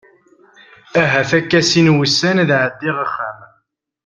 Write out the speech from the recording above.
Ahat akka sin n wussan ad ɛeddiɣ axxam.